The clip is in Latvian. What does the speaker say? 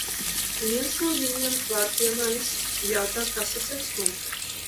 Viens no viņiem klāt pie manis, jautā kas es esmu.